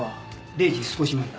０時少し前だ。